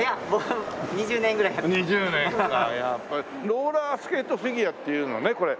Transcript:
ローラースケートフィギュアっていうのねこれ。